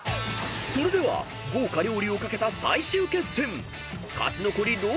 ［それでは豪華料理を懸けた最終決戦］